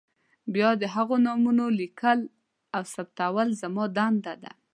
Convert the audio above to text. بیا د هغوی نومونه لیکل او ثبتول زما دنده ده.